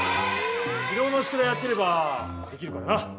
昨日の宿題やってればできるからな。